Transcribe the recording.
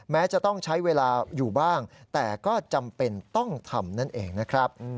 แม้จะต้องใช้เวลาอยู่บ้างแต่ก็จำเป็นต้องทำนั่นเองนะครับ